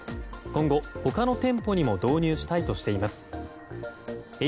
今後、他の店舗にも導入したいとしています。